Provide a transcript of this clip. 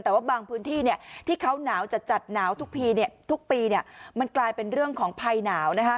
แต่ว่าบางพื้นที่ที่เขาหนาวจัดหนาวทุกทีทุกปีมันกลายเป็นเรื่องของภัยหนาวนะคะ